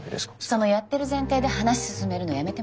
そのやってる前提で話進めるのやめてもらえます？